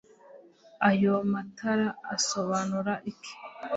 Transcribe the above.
ayo matara asobanura iki